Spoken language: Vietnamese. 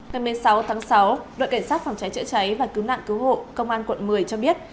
ngày một mươi sáu tháng sáu đội cảnh sát phòng cháy chữa cháy và cứu nạn cứu hộ công an quận một mươi cho biết